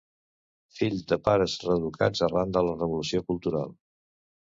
Fill de pares reeducats arran de la Revolució Cultural.